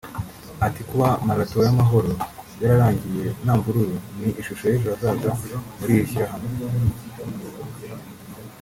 Ati “kuba marathon y’amahoro yararangiye nta mvururu ni ishusho y’ejo hazaza muri iri shyirahamwe